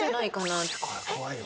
怖いよ。